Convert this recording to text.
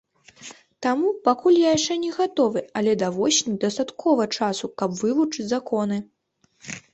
Таму пакуль я яшчэ не гатовы, але да восені дастаткова часу, каб вывучыць законы.